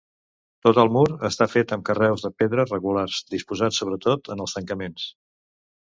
Tot el mur està fet amb carreus de pedra regulars, disposats sobretot en els tancaments.